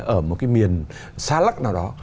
ở một cái miền xa lắc nào đó